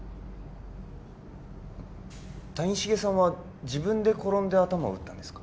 谷繁さんは自分で転んで頭を打ったんですか？